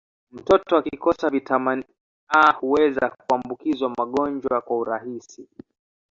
Mtoto akikosa viatamini A huweza kuambukizwa magonjwa kwa urahisi